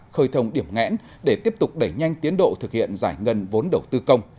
khơi thông điểm ngẽn để tiếp tục đẩy nhanh tiến độ thực hiện giải ngân vốn đầu tư công